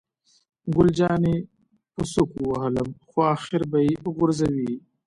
ګل جانې په سوک ووهلم، خو آخر به یې غورځوي.